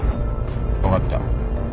分かった。